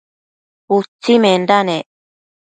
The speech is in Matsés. utsimenda nec